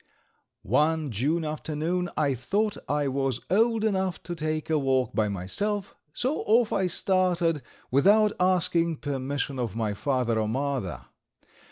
One June afternoon I thought I was old enough to take a walk by myself, so off I started, without asking permission of my father or mother.